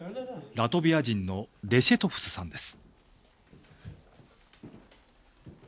ラトビア人のレシェトフスさんです。